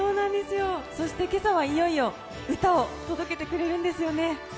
そして今朝はいよいよ、歌を届けてくれるんですよね。